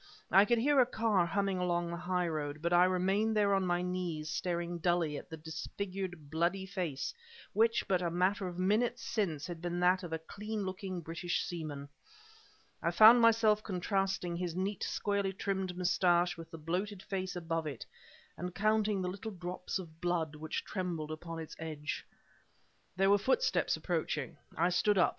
I could hear a car humming along the highroad, but I remained there on my knees staring dully at the disfigured bloody face which but a matter of minutes since had been that of a clean looking British seaman. I found myself contrasting his neat, squarely trimmed mustache with the bloated face above it, and counting the little drops of blood which trembled upon its edge. There were footsteps approaching. I stood up.